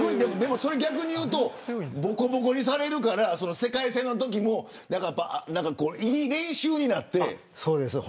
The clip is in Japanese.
それは逆に言うとぼこぼこにされるから世界戦のときもいい練習になって。